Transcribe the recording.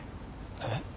えっ？